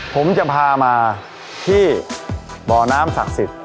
ผมจะพามาที่บ่อน้ำศักดิ์สิทธิ์